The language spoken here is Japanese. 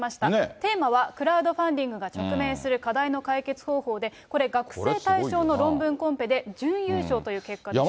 テーマは、クラウドファンディングが直面する課題の解決方法で、これ学生対象の論文コンペで準優勝という結果でした。